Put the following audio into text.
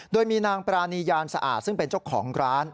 โดยมีนางปรานียานสะอาดซึ่งเป็นเจ้าของร้าน